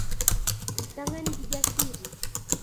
Kitangany Kijasiri